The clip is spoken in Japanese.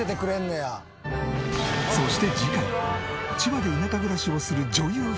そして次回千葉で田舎暮らしをする女優